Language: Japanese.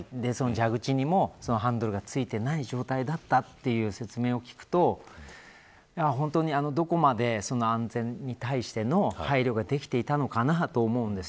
蛇口にもハンドルが付いていない状態だったという説明を聞くと本当に、どこまで安全に対しての配慮ができていたのかなと思うんです。